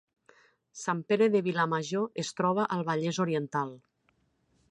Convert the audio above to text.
Sant Pere de Vilamajor es troba al Vallès Oriental